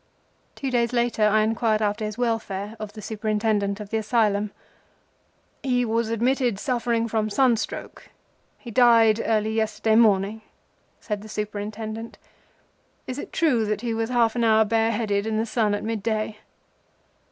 Two days later I inquired after his welfare of the Superintendent of the Asylum. "He was admitted suffering from sun stroke. He died early yesterday morning," said the Superintendent. "Is it true that he was half an hour bareheaded in the sun at midday?"